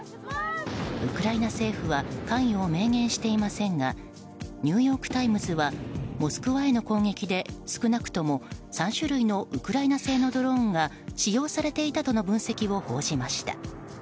ウクライナ政府は関与を明言していませんがニューヨーク・タイムズはモスクワへの攻撃で少なくとも３種類のウクライナ製のドローンが使用されていたとの分析を報じました。